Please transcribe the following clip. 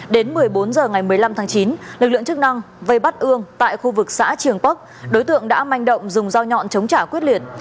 đến một mươi bốn h ngày một mươi năm tháng chín lực lượng chức năng vây bắt ương tại khu vực xã trường bắc đối tượng đã manh động dùng dao nhọn chống trả quyết liệt